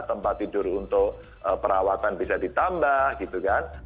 tempat tidur untuk perawatan bisa ditambah gitu kan